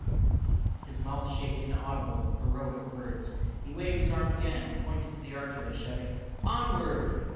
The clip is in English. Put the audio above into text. His mouth shaped inaudible heroic words. He waved his arm again and pointed to the archway, shouting "Onward!"